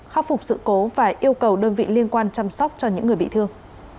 khắc phục sự cố và yêu cầu đơn vị liên quan chăm sóc cho những người bị thương